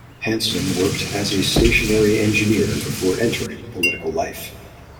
Hansen worked as a stationary engineer before entering political life.